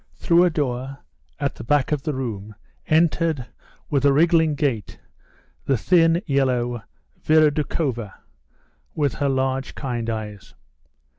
Through a door, at the back of the room, entered, with a wriggling gait, the thin, yellow Vera Doukhova, with her large, kind eyes.